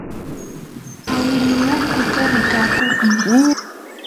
awiluu kuka rikakuqmi.